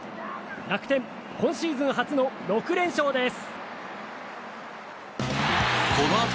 楽天、今シーズン初の６連勝です。